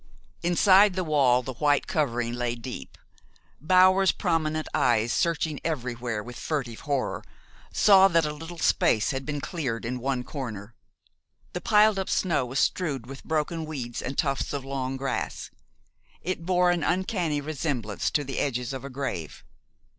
Inside the wall the white covering lay deep. Bower's prominent eyes, searching everywhere with furtive horror, saw that a little space had been cleared in one corner. The piled up snow was strewed with broken weeds and tufts of long grass. It bore an uncanny resemblance to the edges of a grave.